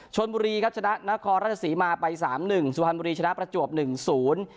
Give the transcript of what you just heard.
ชนบุรีครับชนะนครราชสีมาไปสามหนึ่งสุพรรณบุรีชนะประจวบหนึ่งศูนย์